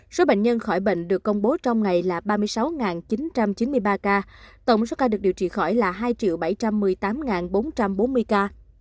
số bệnh nhân khỏi bệnh được công bố trong ngày là ba mươi sáu chín trăm chín mươi ba ca tổng số ca được điều trị khỏi là hai bảy trăm một mươi tám bốn trăm bốn mươi ca